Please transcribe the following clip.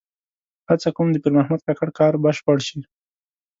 هڅه کوم د پیر محمد کاکړ کار بشپړ شي.